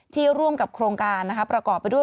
ร่วมกับโครงการประกอบไปด้วย